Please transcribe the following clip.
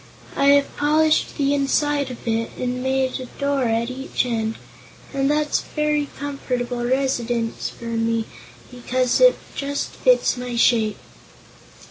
I have polished the inside of it, and made a door at each end, and that's a very comfortable residence for me because it just fits my shape."